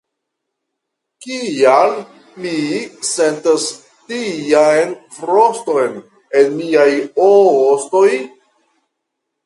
Kial mi sentas tian froston en miaj ostoj?